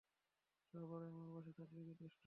সবাই আমার পাশে থাকলেই যথেষ্ট।